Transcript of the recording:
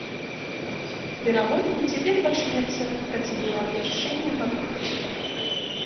Верагодна, цяпер пачнецца працэдура абвяшчэння банкруцтва.